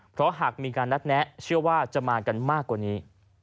เพราะหากมีการนัดแนะเชื่อว่าจะมากันมากกว่านี้